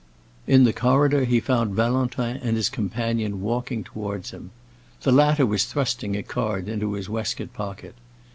In the corridor he found Valentin and his companion walking towards him. The latter was thrusting a card into his waistcoat pocket.